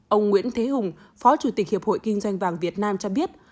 ông nguyễn thế hùng phó chủ tịch hiệp hội kinh doanh vàng việt nam cho biết